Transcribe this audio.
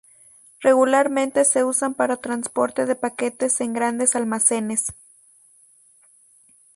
Regularmente se usan para transporte de paquetes en grandes almacenes.